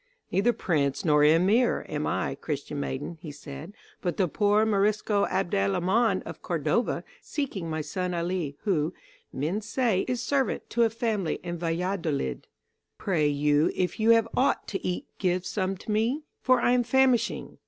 "Neither prince nor emir am I, Christian maiden," he said, "but the poor Morisco Abd el 'Aman of Cordova, seeking my son Ali, who, men say, is servant to a family in Valladolid. Pray you if you have aught to eat give some to me, for I am famishing."